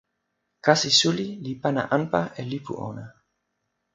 kasi suli li pana anpa e lipu ona